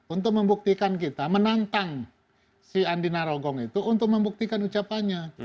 untuk membuktikan kita menantang si andi narogong itu untuk membuktikan ucapannya